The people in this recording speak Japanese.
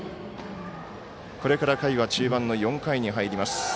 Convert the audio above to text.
これから回は中盤の４回に入ります。